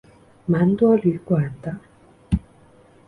蛮多旅馆的